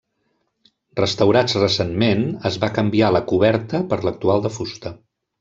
Restaurats recentment es va canviar la coberta per l'actual de fusta.